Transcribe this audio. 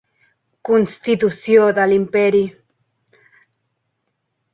Constitució de l'imperi